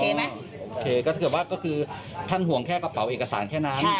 โอเคก็ถ้าเกิดว่าก็คือท่านห่วงแค่กระเป๋าเอกสารแค่นั้น